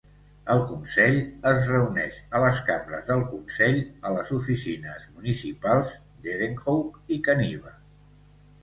El consell es reuneix a les cambres del consell a les oficines municipals d'Edenhope i Kaniva.